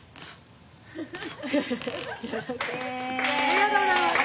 ありがとうございます。